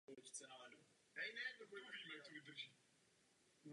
V tomto smyslu schvaluji, že dnes o této otázce diskutujeme.